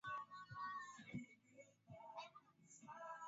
kwa namna gani ama nini nafasi ya bunge katika kuhakikisha